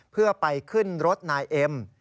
เพื่อไปขึ้นรถนายเอ็ม